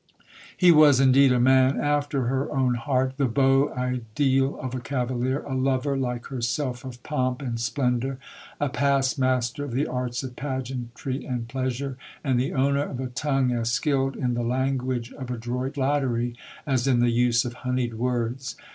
He was, indeed, a man after her own heart, the beau ideal of a cavalier; a lover, like herself, of pomp and splendour, a past master of the arts of pageantry and pleasure, and the owner of a tongue as skilled in the language of adroit flattery as in the use of honeyed words.